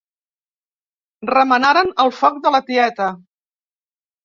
Remenaren el foc de la tieta.